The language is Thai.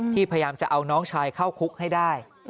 พยายามจะเอาน้องชายเข้าคุกให้ได้